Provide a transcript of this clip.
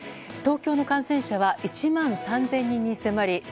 東京の感染者は１万３０００人に迫り